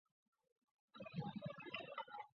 官至左副都御史。